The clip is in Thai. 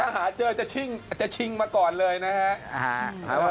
หาเจอจะชิงมาก่อนเลยนะฮะ